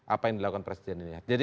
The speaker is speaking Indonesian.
apa yang dilakukan presiden ini ya jadi